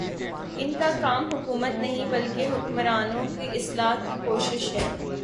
ان کا کام حکومت نہیں، بلکہ حکمرانوں کی اصلاح کی کوشش ہے